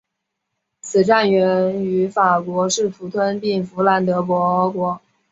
此战源于法国试图吞并弗兰德伯国。